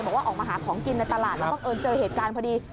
บอกว่าออกมาหาของกินในตลาดแล้วบังเอิญเจอเหตุการณ์พอดี